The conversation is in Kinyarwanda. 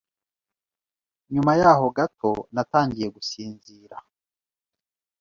Nyuma yaho gato, natangiye gusinzira.